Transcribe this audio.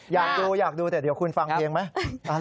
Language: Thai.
อยากดูอยากดูแต่เดี๋ยวคุณฟังเพลงไหม